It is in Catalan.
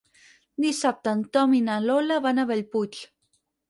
Dissabte en Tom i na Lola van a Bellpuig.